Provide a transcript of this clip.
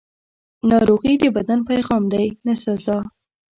ناروغي د بدن پیغام دی، نه سزا.